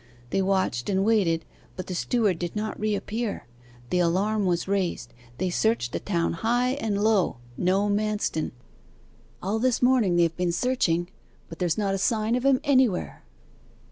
They watched and waited, but the steward did not reappear. The alarm was raised they searched the town high and low no Manston. All this morning they have been searching, but there's not a sign of him anywhere.